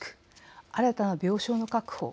新たな病床の確保